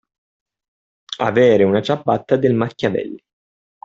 Avere una ciabatta del Machiavelli.